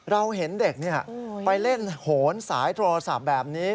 เราเห็นเด็กไปเล่นโหนสายโทรศัพท์แบบนี้